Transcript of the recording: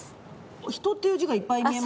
「人」っていう字がいっぱい見えますね。